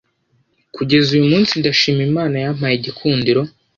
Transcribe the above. Kugeza uyu munsi ndashima Imana yampaye igikundiro